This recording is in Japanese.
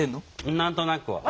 何となくは。